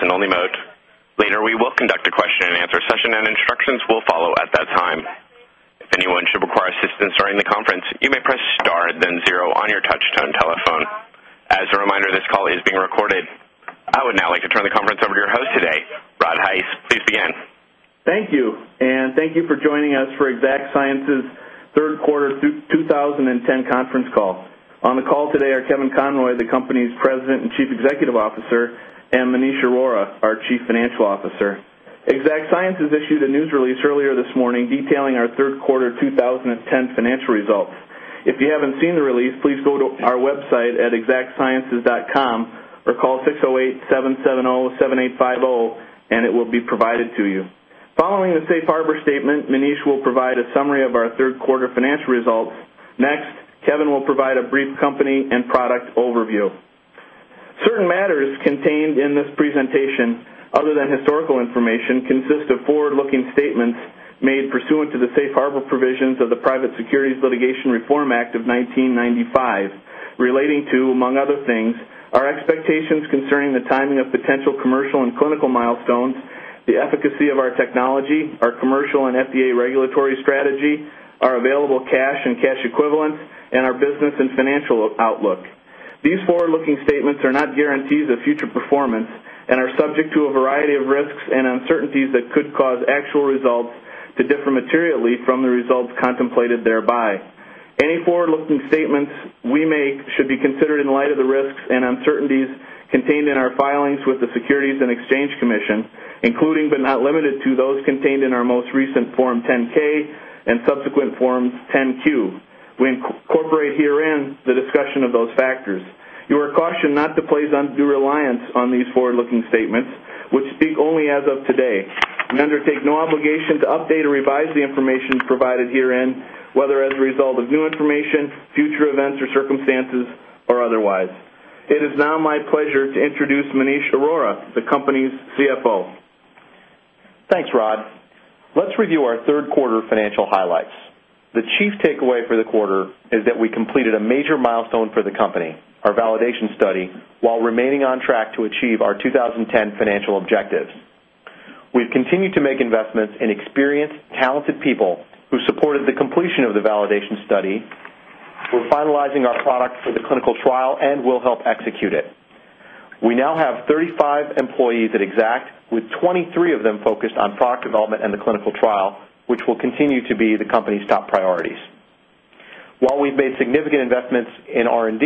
Good day, ladies and gentlemen, and welcome to Exact Sciences' Third Quarter Earnings call. At this time, all lines are in a listen-only mode. Later, we will conduct a question-and-answer session, and instructions will follow at that time. If anyone should require assistance during the conference, you may press star and then zero on your touch-tone telephone. As a reminder, this call is being recorded. I would now like to turn the conference over to your host today, Rod Heiss. Please begin. Thank you, and thank you for joining us for Exact Sciences' Third Quarter 2010 Conference Call. On the call today are Kevin Conroy, the company's President and Chief Executive Officer, and Maneesh Arora, our Chief Financial Officer. Exact Sciences issued a news release earlier this morning detailing our third quarter 2010 financial results. If you haven't seen the release, please go to our website at exactsciences.com or call 608-770-7850, and it will be provided to you. Following the safe harbor statement, Maneesh will provide a summary of our third quarter financial results. Next, Kevin will provide a brief company and product overview. Certain matters contained in this presentation, other than historical information, consist of forward-looking statements made pursuant to the safe harbor provisions of the Private Securities Litigation Reform Act of 1995, relating to, among other things, our expectations concerning the timing of potential commercial and clinical milestones, the efficacy of our technology, our commercial and FDA regulatory strategy, our available cash and cash equivalents, and our business and financial outlook. These forward-looking statements are not guarantees of future performance and are subject to a variety of risks and uncertainties that could cause actual results to differ materially from the results contemplated thereby. Any forward-looking statements we make should be considered in light of the risks and uncertainties contained in our filings with the Securities and Exchange Commission, including but not limited to those contained in our most recent Form 10-K and subsequent Form 10-Q. We incorporate herein the discussion of those factors. You are cautioned not to place undue reliance on these forward-looking statements, which speak only as of today. We undertake no obligation to update or revise the information provided here, whether as a result of new information, future events, or circumstances, or otherwise. It is now my pleasure to introduce Maneesh Arora, the company's CFO. Thanks, Rod. Let's review our third quarter financial highlights. The chief takeaway for the quarter is that we completed a major milestone for the company, our validation study, while remaining on track to achieve our 2010 financial objectives. We've continued to make investments in experienced, talented people who supported the completion of the validation study. We're finalizing our product for the clinical trial and will help execute it. We now have 35 employees at Exact Sciences, with 23 of them focused on product development and the clinical trial, which will continue to be the company's top priorities. While we've made significant investments in R&D,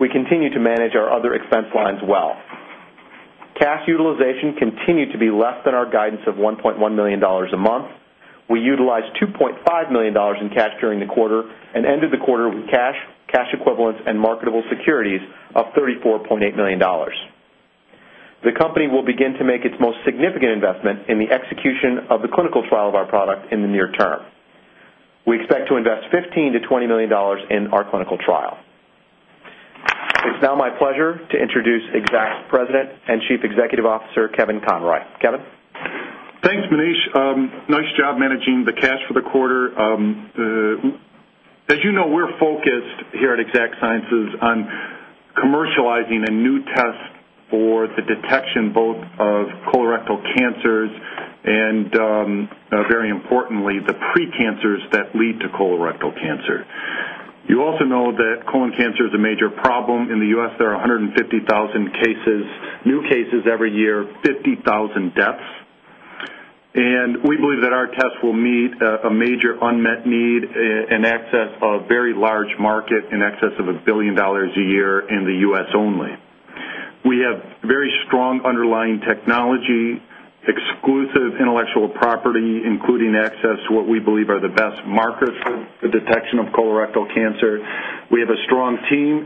we continue to manage our other expense lines well. Cash utilization continued to be less than our guidance of $1.1 million a month. We utilized $2.5 million in cash during the quarter and ended the quarter with cash, cash equivalents, and marketable securities of $34.8 million. The company will begin to make its most significant investment in the execution of the clinical trial of our product in the near term. We expect to invest $15-$20 million in our clinical trial. It's now my pleasure to introduce Exact's President and Chief Executive Officer, Kevin Conroy. Kevin? Thanks, Maneesh. Nice job managing the cash for the quarter. As you know, we're focused here at Exact Sciences on commercializing a new test for the detection both of colorectal cancers and, very importantly, the precancers that lead to colorectal cancer. You also know that colon cancer is a major problem in the U.S. There are 150,000 new cases every year, 50,000 deaths. We believe that our test will meet a major unmet need in excess of a very large market, in excess of $1 billion a year in the U.S. only. We have very strong underlying technology, exclusive intellectual property, including access to what we believe are the best markers for the detection of colorectal cancer. We have a strong team.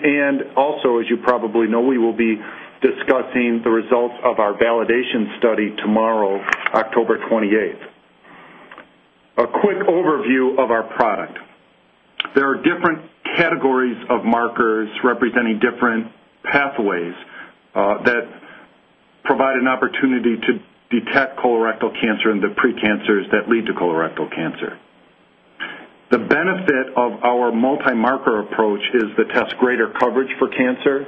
Also, as you probably know, we will be discussing the results of our validation study tomorrow, October 28th. A quick overview of our product. There are different categories of markers representing different pathways that provide an opportunity to detect colorectal cancer and the precancers that lead to colorectal cancer. The benefit of our multi-marker approach is the test's greater coverage for cancer.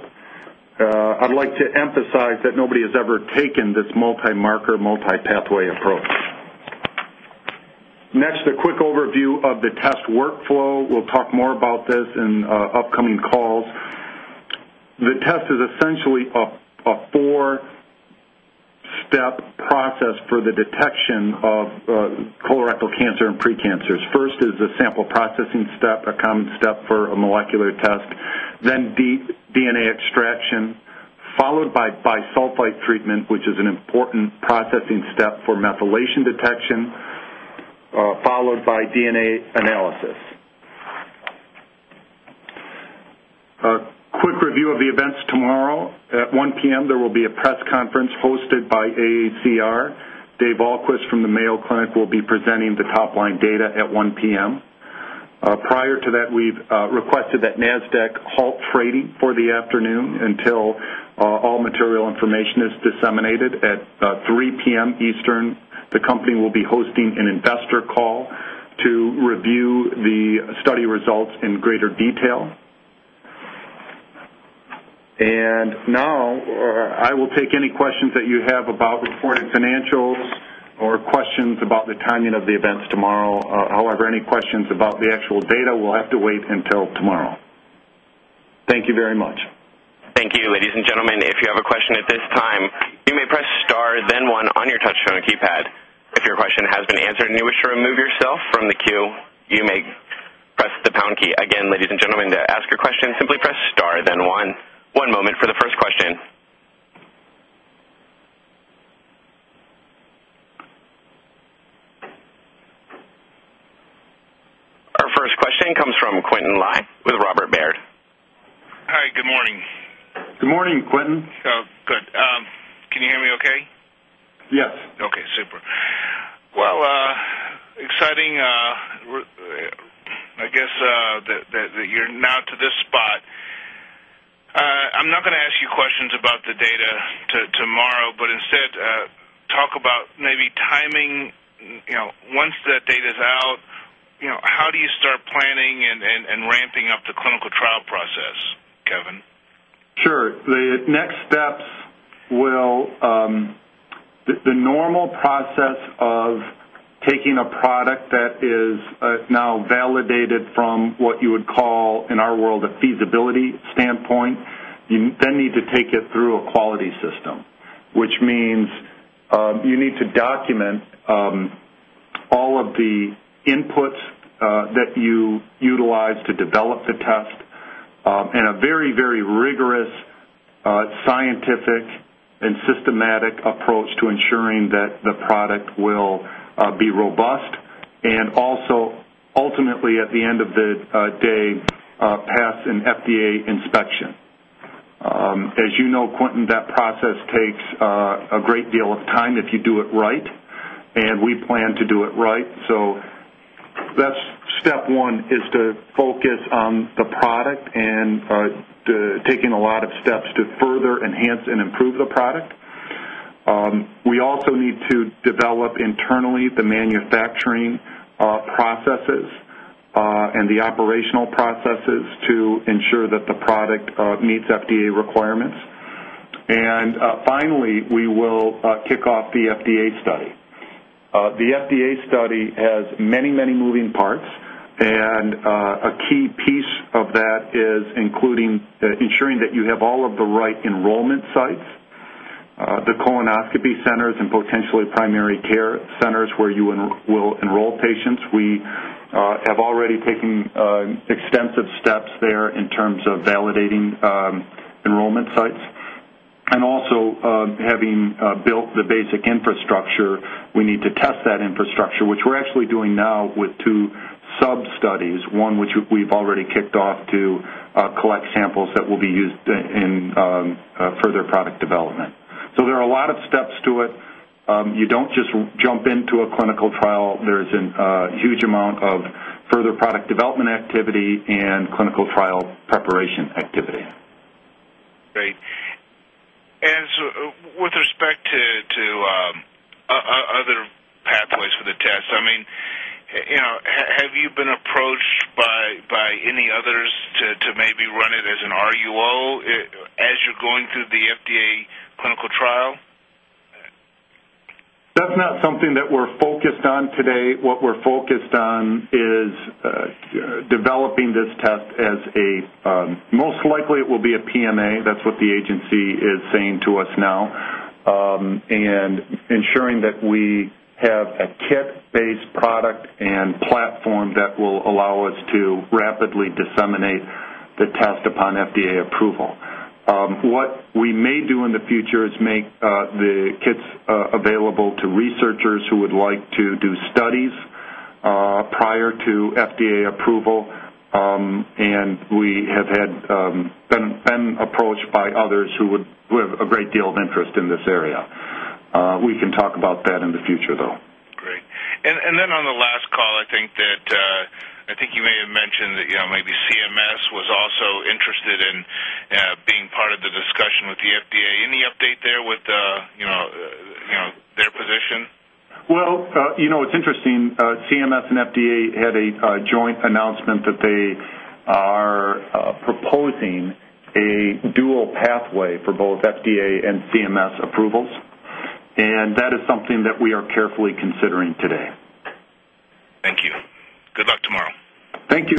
I'd like to emphasize that nobody has ever taken this multi-marker, multi-pathway approach. Next, a quick overview of the test workflow. We'll talk more about this in upcoming calls. The test is essentially a four-step process for the detection of colorectal cancer and precancers. First is the sample processing step, a common step for a molecular test, then DNA extraction, followed by bisulfite treatment, which is an important processing step for methylation detection, followed by DNA analysis. A quick review of the events tomorrow. At 1:00 P.M., there will be a press conference hosted by AACR. Dave Alquist from the Mayo Clinic will be presenting the top-line data at 1:00 P.M. Prior to that, we've requested that NASDAQ halt trading for the afternoon until all material information is disseminated. At 3:00 P.M. Eastern, the company will be hosting an investor call to review the study results in greater detail. I will take any questions that you have about reported financials or questions about the timing of the events tomorrow. However, any questions about the actual data, we'll have to wait until tomorrow. Thank you very much. Thank you, ladies and gentlemen. If you have a question at this time, you may press star, then one, on your touch-tone keypad. If your question has been answered and you wish to remove yourself from the queue, you may press the pound key. Again, ladies and gentlemen, to ask your question, simply press star, then one. One moment for the first question. Our first question comes from Quintin Lai with Robert W. Baird & Co. Hi. Good morning. Good morning, Quintin. Oh, good. Can you hear me okay? Yes. Okay. Super. Exciting, I guess, that you're now to this spot. I'm not going to ask you questions about the data tomorrow, but instead talk about maybe timing. Once that data's out, how do you start planning and ramping up the clinical trial process, Kevin? Sure. The next steps will be the normal process of taking a product that is now validated from what you would call, in our world, a feasibility standpoint. You then need to take it through a quality system, which means you need to document all of the inputs that you utilize to develop the test in a very, very rigorous, scientific, and systematic approach to ensuring that the product will be robust and also, ultimately, at the end of the day, pass an FDA inspection. As you know, Quintin, that process takes a great deal of time if you do it right, and we plan to do it right. That is step one, is to focus on the product and taking a lot of steps to further enhance and improve the product. We also need to develop internally the manufacturing processes and the operational processes to ensure that the product meets FDA requirements. Finally, we will kick off the FDA study. The FDA study has many, many moving parts, and a key piece of that is ensuring that you have all of the right enrollment sites, the colonoscopy centers, and potentially primary care centers where you will enroll patients. We have already taken extensive steps there in terms of validating enrollment sites and also having built the basic infrastructure. We need to test that infrastructure, which we're actually doing now with two sub-studies, one which we've already kicked off to collect samples that will be used in further product development. There are a lot of steps to it. You don't just jump into a clinical trial. There is a huge amount of further product development activity and clinical trial preparation activity. Great. With respect to other pathways for the test, I mean, have you been approached by any others to maybe run it as an RUO as you're going through the FDA clinical trial? That's not something that we're focused on today. What we're focused on is developing this test as a—most likely, it will be a PMA. That's what the agency is saying to us now, and ensuring that we have a kit-based product and platform that will allow us to rapidly disseminate the test upon FDA approval. What we may do in the future is make the kits available to researchers who would like to do studies prior to FDA approval, and we have been approached by others who have a great deal of interest in this area. We can talk about that in the future, though. Great. On the last call, I think you may have mentioned that maybe CMS was also interested in being part of the discussion with the FDA. Any update there with their position? It's interesting. CMS and FDA had a joint announcement that they are proposing a dual pathway for both FDA and CMS approvals, and that is something that we are carefully considering today. Thank you. Good luck tomorrow. Thank you.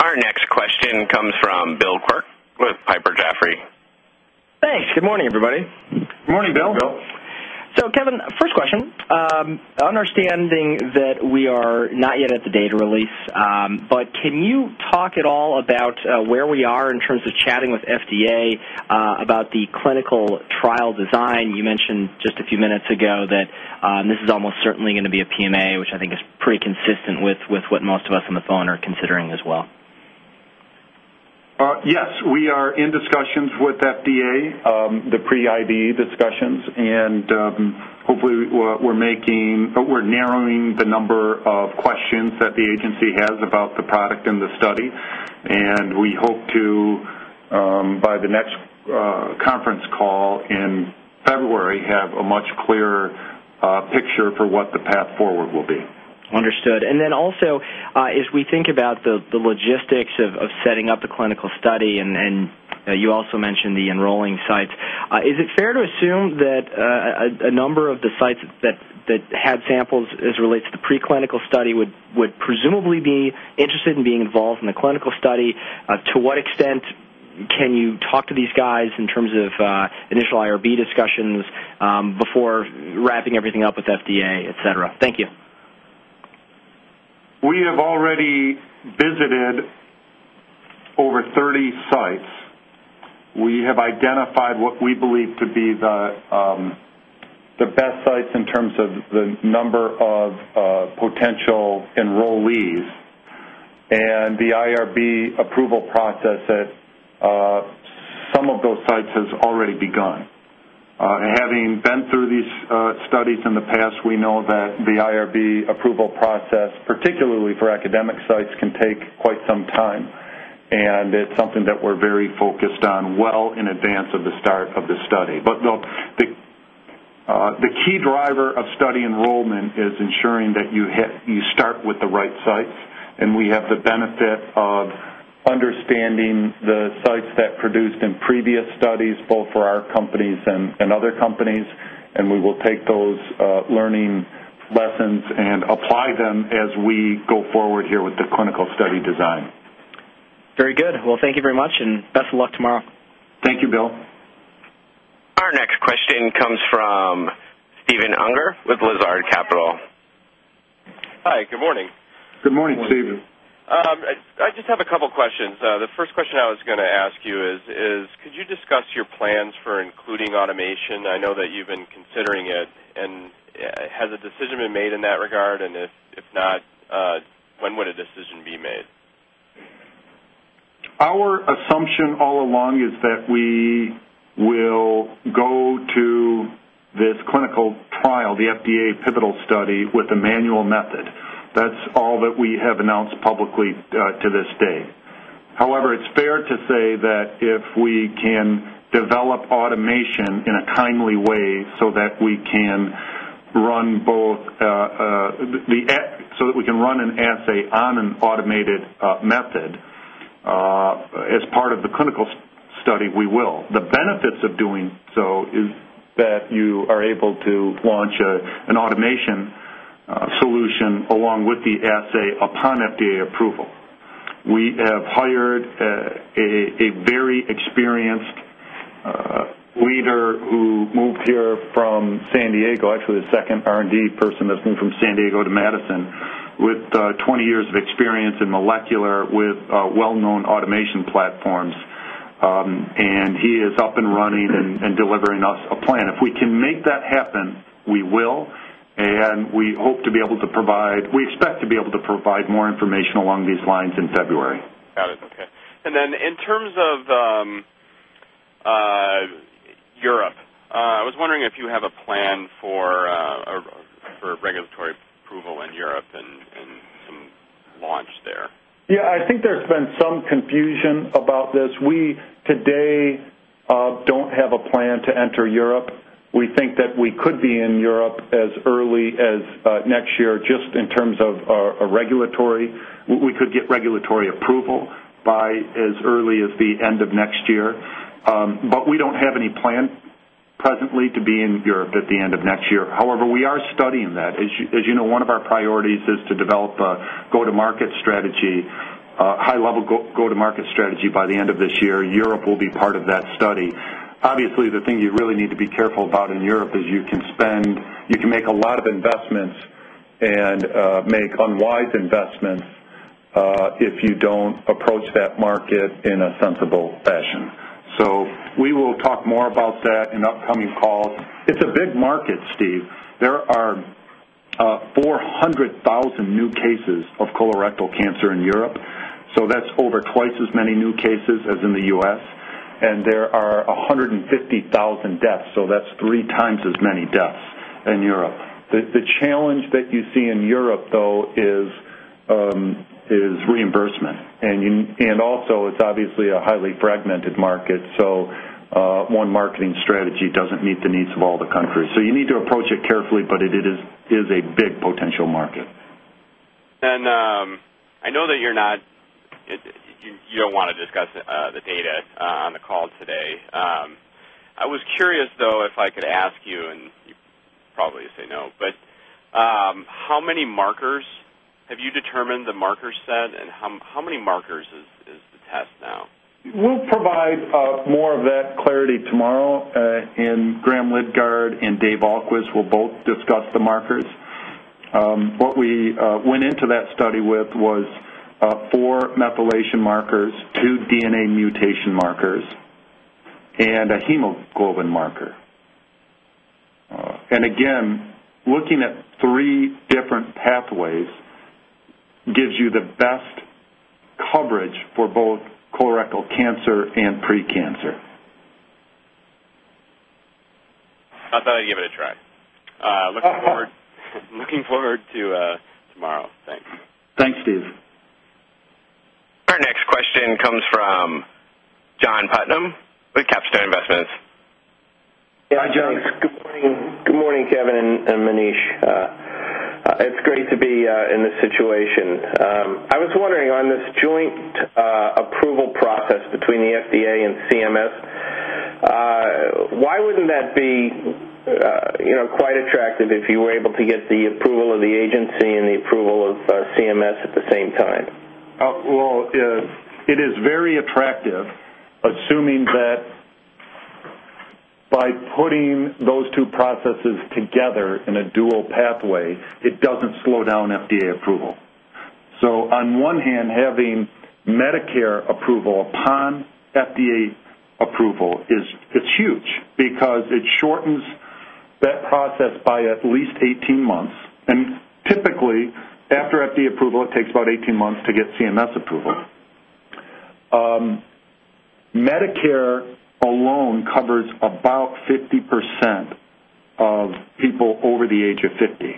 Our next question comes from Bill Quirk with Piper Jaffray. Thanks. Good morning, everybody. Good morning, Bill. Kevin, first question. Understanding that we are not yet at the data release, but can you talk at all about where we are in terms of chatting with FDA about the clinical trial design? You mentioned just a few minutes ago that this is almost certainly going to be a PMA, which I think is pretty consistent with what most of us on the phone are considering as well. Yes. We are in discussions with FDA, the pre-IDE discussions, and hopefully, we're narrowing the number of questions that the agency has about the product and the study. We hope to, by the next conference call in February, have a much clearer picture for what the path forward will be. Understood. Also, as we think about the logistics of setting up the clinical study, and you also mentioned the enrolling sites, is it fair to assume that a number of the sites that had samples as it relates to the preclinical study would presumably be interested in being involved in the clinical study? To what extent can you talk to these guys in terms of initial IRB discussions before wrapping everything up with FDA, etc.? Thank you. We have already visited over 30 sites. We have identified what we believe to be the best sites in terms of the number of potential enrollees. The IRB approval process at some of those sites has already begun. Having been through these studies in the past, we know that the IRB approval process, particularly for academic sites, can take quite some time, and it is something that we are very focused on well in advance of the start of the study. The key driver of study enrollment is ensuring that you start with the right sites. We have the benefit of understanding the sites that produced in previous studies, both for our company and other companies, and we will take those learning lessons and apply them as we go forward here with the clinical study design. Very good. Thank you very much, and best of luck tomorrow. Thank you, Bill. Our next question comes from Stephen Unger with Lazard Capital. Hi. Good morning. Good morning, Stephen. I just have a couple of questions. The first question I was going to ask you is, could you discuss your plans for including automation? I know that you've been considering it. Has a decision been made in that regard? If not, when would a decision be made? Our assumption all along is that we will go to this clinical trial, the FDA pivotal study, with a manual method. That's all that we have announced publicly to this day. However, it's fair to say that if we can develop automation in a timely way so that we can run both the—so that we can run an assay on an automated method as part of the clinical study, we will. The benefits of doing so is that you are able to launch an automation solution along with the assay upon FDA approval. We have hired a very experienced leader who moved here from San Diego. Actually, the second R&D person that's moved from San Diego to Madison with 20 years of experience in molecular with well-known automation platforms. He is up and running and delivering us a plan. If we can make that happen, we will, and we hope to be able to provide—we expect to be able to provide more information along these lines in February. Got it. Okay. In terms of Europe, I was wondering if you have a plan for regulatory approval in Europe and some launch there. Yeah. I think there's been some confusion about this. We, today, don't have a plan to enter Europe. We think that we could be in Europe as early as next year just in terms of a regulatory—we could get regulatory approval by as early as the end of next year. But we don't have any plan presently to be in Europe at the end of next year. However, we are studying that. As you know, one of our priorities is to develop a go-to-market strategy, a high-level go-to-market strategy by the end of this year. Europe will be part of that study. Obviously, the thing you really need to be careful about in Europe is you can spend—you can make a lot of investments and make unwise investments if you don't approach that market in a sensible fashion. We will talk more about that in upcoming calls. It's a big market, Steve. There are 400,000 new cases of colorectal cancer in Europe. That is over twice as many new cases as in the U.S. There are 150,000 deaths. That is three times as many deaths in Europe. The challenge that you see in Europe, though, is reimbursement. It is obviously a highly fragmented market, so one marketing strategy does not meet the needs of all the countries. You need to approach it carefully, but it is a big potential market. I know that you're not—you don't want to discuss the data on the call today. I was curious, though, if I could ask you, and you probably say no, but how many markers have you determined the marker set, and how many markers is the test now? We'll provide more of that clarity tomorrow. Graham Leckie and Dave Ahlquist will both discuss the markers. What we went into that study with was four methylation markers, two DNA mutation markers, and a hemoglobin marker. Again, looking at three different pathways gives you the best coverage for both colorectal cancer and precancer. I thought I'd give it a try. Looking forward to tomorrow. Thanks. Thanks, Steve. Our next question comes from John Putnam with CapStone Investments. Hi, John. Good morning, Kevin and Maneesh. It's great to be in this situation. I was wondering, on this joint approval process between the FDA and CMS, why wouldn't that be quite attractive if you were able to get the approval of the agency and the approval of CMS at the same time? It is very attractive assuming that by putting those two processes together in a dual pathway, it does not slow down FDA approval. On one hand, having Medicare approval upon FDA approval is huge because it shortens that process by at least 18 months. Typically, after FDA approval, it takes about 18 months to get CMS approval. Medicare alone covers about 50% of people over the age of 50.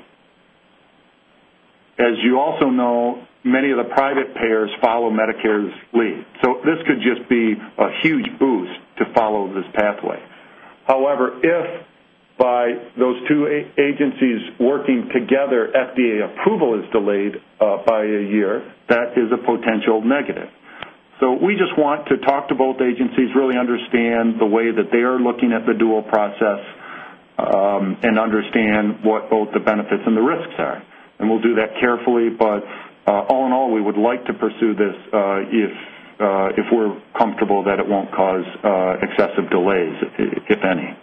As you also know, many of the private payers follow Medicare's lead. This could just be a huge boost to follow this pathway. However, if by those two agencies working together, FDA approval is delayed by a year, that is a potential negative. We just want to talk to both agencies, really understand the way that they are looking at the dual process, and understand what both the benefits and the risks are. We will do that carefully. All in all, we would like to pursue this if we are comfortable that it will not cause excessive delays, if any.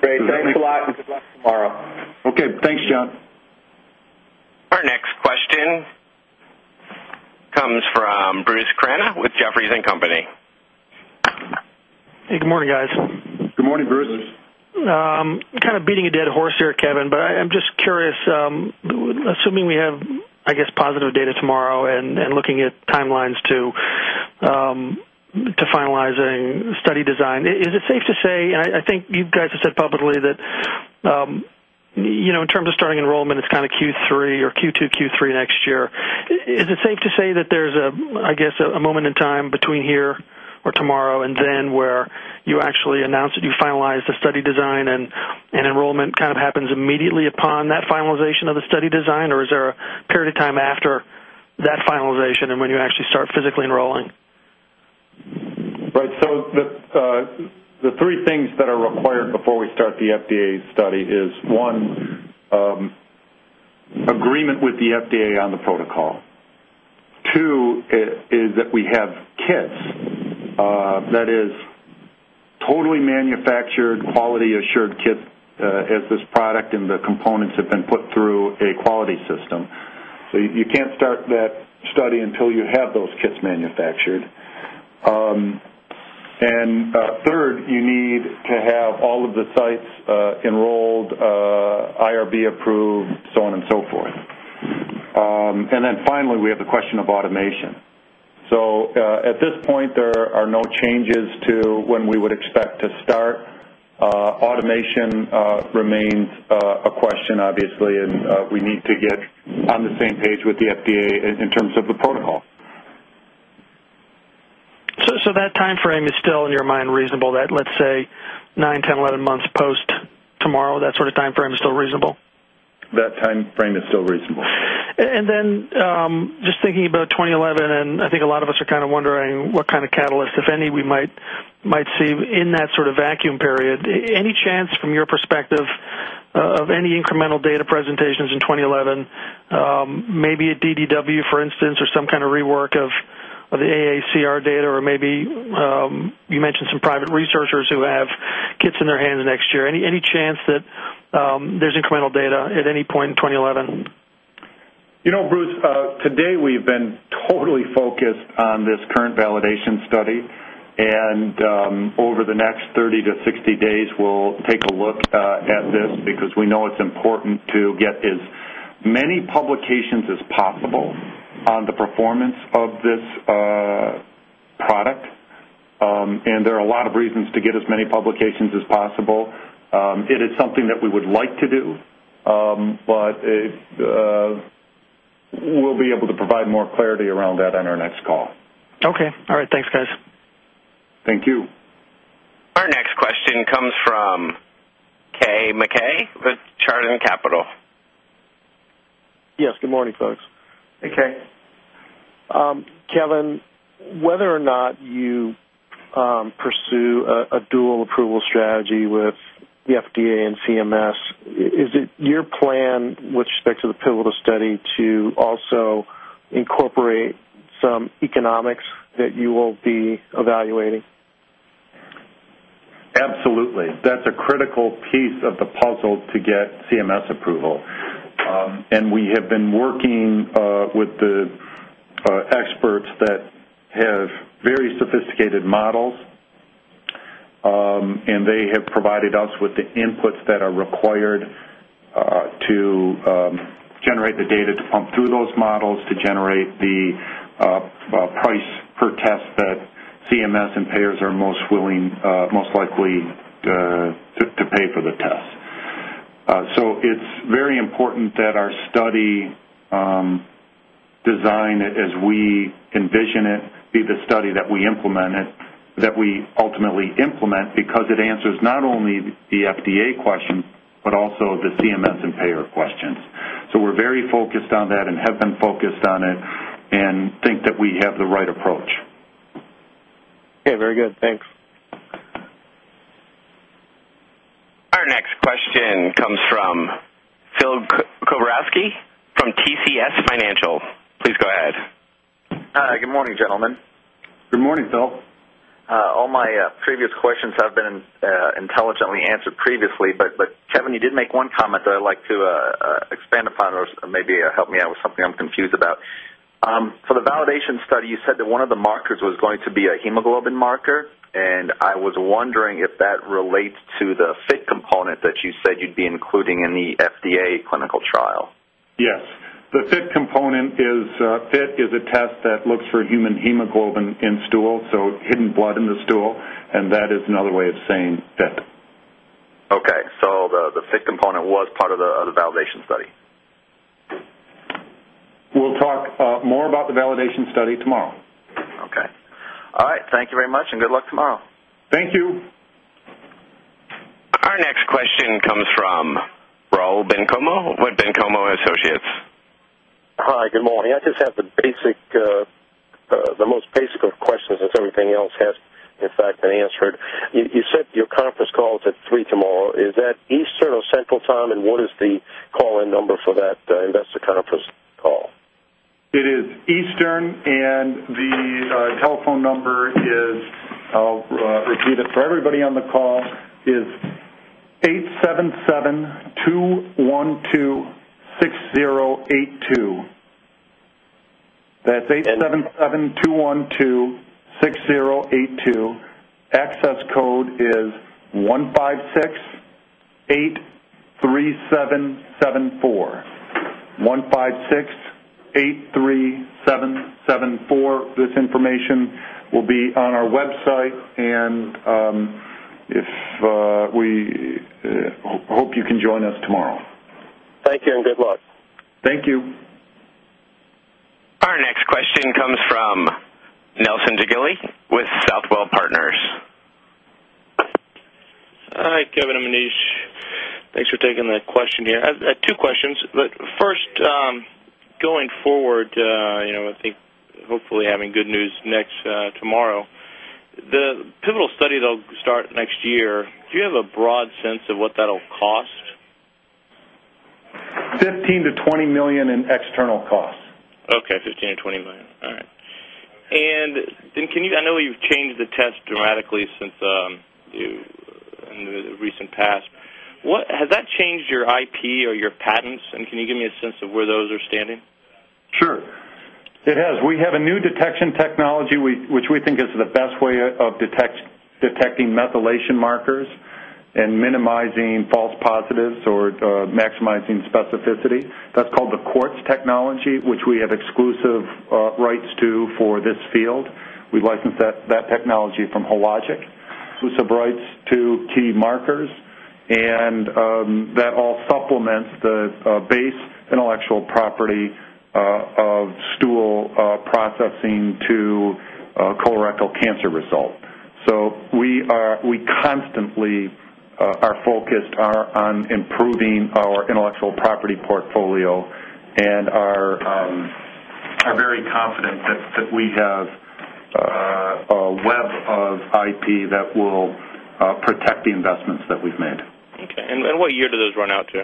Great. Thanks a lot, and good luck tomorrow. Okay. Thanks, John. Our next question comes from Bruce Cranna with Jefferies & Company. Hey, good morning, guys. Good morning, Bruce. Kind of beating a dead horse here, Kevin, but I'm just curious, assuming we have, I guess, positive data tomorrow and looking at timelines to finalize a study design, is it safe to say—and I think you guys have said publicly that in terms of starting enrollment, it's kind of Q3 or Q2, Q3 next year—is it safe to say that there's a, I guess, a moment in time between here or tomorrow and then where you actually announce that you finalize the study design and enrollment kind of happens immediately upon that finalization of the study design? Or is there a period of time after that finalization and when you actually start physically enrolling? Right. The three things that are required before we start the FDA study are, one, agreement with the FDA on the protocol. Two, we have kits. That is, totally manufactured, quality-assured kits as this product and the components have been put through a quality system. You cannot start that study until you have those kits manufactured. Third, you need to have all of the sites enrolled, IRB approved, so on and so forth. Finally, we have the question of automation. At this point, there are no changes to when we would expect to start. Automation remains a question, obviously, and we need to get on the same page with the FDA in terms of the protocol. That timeframe is still, in your mind, reasonable? That, let's say, nine, 10, 11 months post tomorrow, that sort of timeframe is still reasonable? That timeframe is still reasonable. Just thinking about 2011, and I think a lot of us are kind of wondering what kind of catalyst, if any, we might see in that sort of vacuum period. Any chance, from your perspective, of any incremental data presentations in 2011? Maybe a DDW, for instance, or some kind of rework of the AACR data, or maybe you mentioned some private researchers who have kits in their hands next year. Any chance that there's incremental data at any point in 2011? You know, Bruce, today we've been totally focused on this current validation study. Over the next 30-60 days, we'll take a look at this because we know it's important to get as many publications as possible on the performance of this product. There are a lot of reasons to get as many publications as possible. It is something that we would like to do, but we'll be able to provide more clarity around that on our next call. Okay. All right. Thanks, guys. Thank you. Our next question comes from Kay McKay with Chardon Capital. Yes. Good morning, folks. Hey, Kay. Kevin, whether or not you pursue a dual approval strategy with the FDA and CMS, is it your plan with respect to the pivotal study to also incorporate some economics that you will be evaluating? Absolutely. That's a critical piece of the puzzle to get CMS approval. We have been working with the experts that have very sophisticated models, and they have provided us with the inputs that are required to generate the data to pump through those models, to generate the price per test that CMS and payers are most likely to pay for the test. It is very important that our study design, as we envision it, be the study that we ultimately implement because it answers not only the FDA question but also the CMS and payer questions. We are very focused on that and have been focused on it and think that we have the right approach. Okay. Very good. Thanks. Our next question comes from Phil Kowrowski from TCS Financial. Please go ahead. Hi. Good morning, gentlemen. Good morning, Phil. All my previous questions have been intelligently answered previously. Kevin, you did make one comment that I'd like to expand upon or maybe help me out with something I'm confused about. For the validation study, you said that one of the markers was going to be a hemoglobin marker. I was wondering if that relates to the FIT component that you said you'd be including in the FDA clinical trial. Yes. The FIT component is, FIT is a test that looks for human hemoglobin in stool, so hidden blood in the stool. That is another way of saying FIT. Okay. So the FIT component was part of the validation study. We'll talk more about the validation study tomorrow. Okay. All right. Thank you very much, and good luck tomorrow. Thank you. Our next question comes from Rob Bencomo with Bencomo Associates. Hi. Good morning. I just have the most basic of questions, as everything else has, in fact, been answered. You said your conference call is at 3:00 tomorrow. Is that Eastern or Central Time, and what is the call-in number for that investor conference call? It is Eastern, and the telephone number is—I will repeat it for everybody on the call—is 877-212-6082. That is 877-212-6082. Access code is 156-83774. 156-83774. This information will be on our website, and we hope you can join us tomorrow. Thank you, and good luck. Thank you. Our next question comes from Nelson Jaeggli with Southwell Partners. Hi, Kevin and Maneesh. Thanks for taking the question here. I have two questions. First, going forward, I think hopefully having good news next tomorrow, the pivotal study they'll start next year, do you have a broad sense of what that'll cost? $15 million-$20 million in external costs. Okay. 15-20 million. All right. I know you've changed the test dramatically in the recent past. Has that changed your IP or your patents? Can you give me a sense of where those are standing? Sure. It has. We have a new detection technology which we think is the best way of detecting methylation markers and minimizing false positives or maximizing specificity. That's called the Quartz technology, which we have exclusive rights to for this field. We license that technology from Hologic. Exclusive rights to key markers, and that all supplements the base intellectual property of stool processing to colorectal cancer result. We constantly are focused on improving our intellectual property portfolio, and we're very confident that we have a web of IP that will protect the investments that we've made. Okay. What year do those run out to?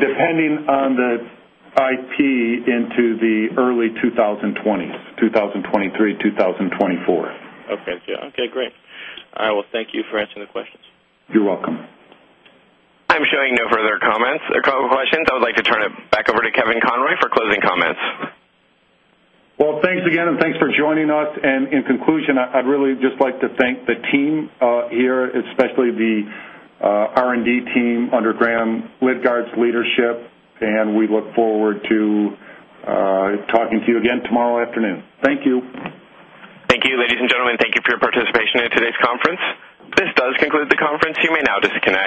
Depending on the IP into the early 2020s, 2023, 2024. Okay. Okay. Great. All right. Thank you for answering the questions. You're welcome. I'm showing no further comments or questions. I would like to turn it back over to Kevin Conroy for closing comments. Thank you again, and thanks for joining us. In conclusion, I'd really just like to thank the team here, especially the R&D team under Graham Leckie's leadership. We look forward to talking to you again tomorrow afternoon. Thank you. Thank you, ladies and gentlemen. Thank you for your participation in today's conference. This does conclude the conference. You may now disconnect.